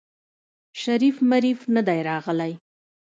شريف مريف ندی راغلی.